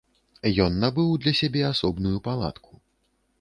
Ён набыў для сябе асобную палатку.